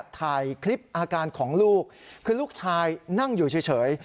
ถ่ายคลิปอาการของลูกคือลูกชายนั่งอยู่เฉย